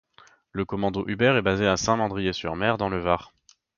Le commando Hubert est basé à Saint-Mandrier-sur-Mer dans le Var.